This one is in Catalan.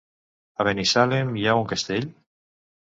A Binissalem hi ha un castell?